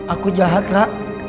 aku jahat ra